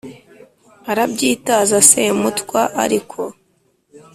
Arabyitaza Semutwa ariko,